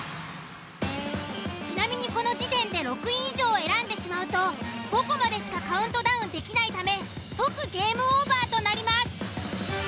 ちなみにこの時点で６位以上を選んでしまうと５個までしかカウントダウンできないため即ゲームオーバーとなります。